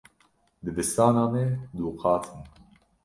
Dibistana me du qat in.